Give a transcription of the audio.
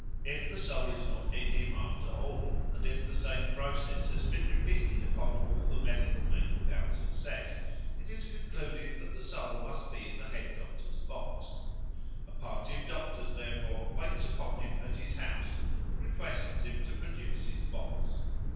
If the soul is not in him after all, and if the same process has been repeated upon all the medical men without success, it is concluded that the soul must be in the head doctor's box. A party of doctors, therefore, waits upon him at his house and requests him to produce his box.